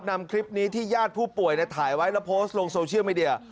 นำคลิปนี้ที่ญาติผู้ป่วยถ่ายไว้แล้วโพสต์ลงโซเชียลมีเดีย